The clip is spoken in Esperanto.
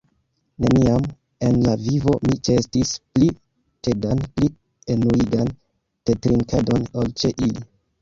"Neniam en la vivo mi ĉeestis pli tedan pli enuigan tetrinkadon ol ĉe ili."